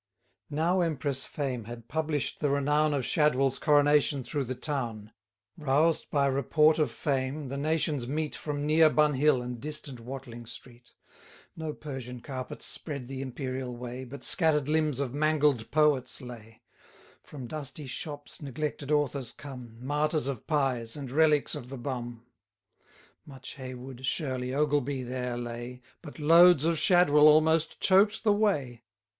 Now Empress Fame had publish'd the renown Of Shadwell's coronation through the town. Roused by report of fame, the nations meet, From near Bunhill, and distant Watling Street. No Persian carpets spread the imperial way, But scatter'd limbs of mangled poets lay: From dusty shops neglected authors come, 100 Martyrs of pies, and reliques of the bum. Much Heywood, Shirley, Ogleby there lay, But loads of Shadwell almost choked the way.